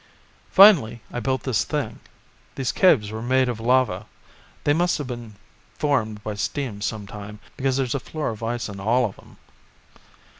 "Finally I built this thing. These caves were made of lava. They must have been formed by steam some time, because there's a floor of ice in all of 'em.